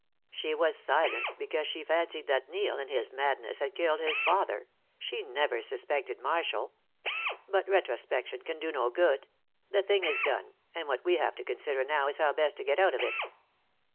She was silent because she fancied that Neil, in his madness, had killed his father; she never suspected Marshall. But retrospection can do no good; the thing is done, and what we have to consider now is how best to get out of it.